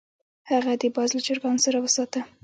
هغه باز له چرګانو سره وساته.